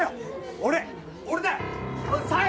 俺俺だよ。